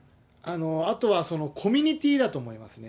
あとはそのコミュニティーだと思いますね。